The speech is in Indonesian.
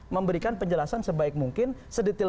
memberikan penjelasan sebaik mungkin sedetil